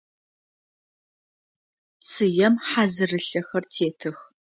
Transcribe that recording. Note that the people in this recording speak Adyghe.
Цыем хьазырылъэхэр тетых.